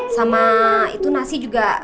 sama itu nasi juga